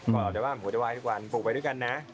บ่อไว้ที่บ้านผมจะไว้ที่บ้านปลูกไปด้วยกันนะ